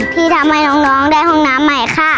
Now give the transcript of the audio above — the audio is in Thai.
ที่ทำให้น้องได้ห้องน้ำใหม่ค่ะ